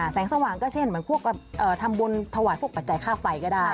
แสงสว่างก็เช่นเหมือนพวกทำบุญถวายพวกปัจจัยค่าไฟก็ได้